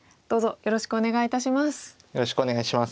よろしくお願いします。